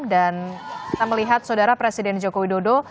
dan kita melihat saudara presiden joko widodo